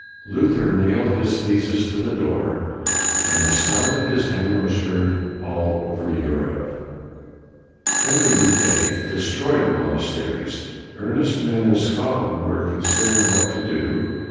Luther nailed his theses to the door, and the sound of his hammer was heard all over Europe. Henry the Eighth destroyed the monasteries. Earnest men in Scotland were considering what to do.